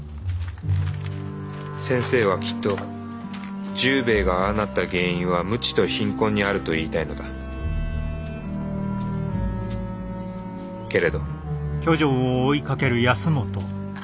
先生はきっと十兵衛がああなった原因は無知と貧困にあると言いたいのだけれど先生。